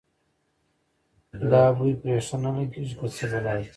دا بوی پرې ښه نه لګېږي که څه بلا ده.